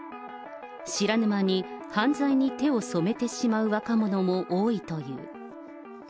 知らぬ間に犯罪に手を染めてしまう若者も多いという。